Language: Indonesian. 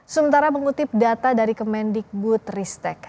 sementara mengutip data dari kemendikbud ristek